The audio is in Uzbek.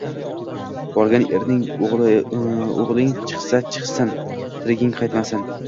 Borgan eringdan o`liging chiqsa chiqsin, tiriging qaytmasin